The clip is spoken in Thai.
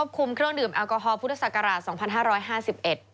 ควบคุมเครื่องดื่มแอลกอฮอล์พุทธศักราช๒๕๕๑